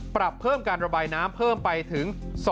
ปรับเพิ่มการระบายน้ำเพิ่มไปถึง